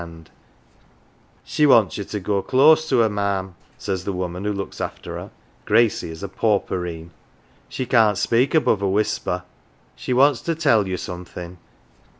218 HERE AND THERE " She wants you to go close to her, ma'am," says the woman who looks after her (Gracie is a " pauperine ");" she can't speak above a whisper. She wants to tell you something."